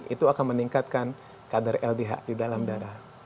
itu akan meningkatkan kadar ldh di dalam darah